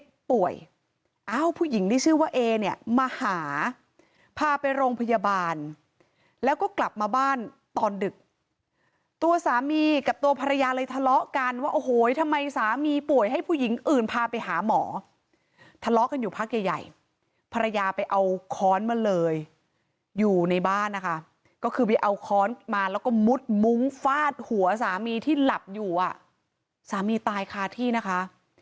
ป่วยอ้าวผู้หญิงที่ชื่อว่าเอเนี่ยมาหาพาไปโรงพยาบาลแล้วก็กลับมาบ้านตอนดึกตัวสามีกับตัวภรรยาเลยทะเลาะกันว่าโอ้โหทำไมสามีป่วยให้ผู้หญิงอื่นพาไปหาหมอทะเลาะกันอยู่พักใหญ่ใหญ่ภรรยาไปเอาค้อนมาเลยอยู่ในบ้านนะคะก็คือไปเอาค้อนมาแล้วก็มุดมุ้งฟาดหัวสามีที่หลับอยู่อ่ะสามีตายคาที่นะคะ